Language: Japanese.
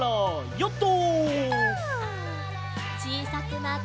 ヨット！